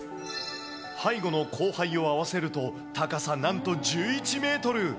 背後の後背を合わせると、高さなんと１１メートル。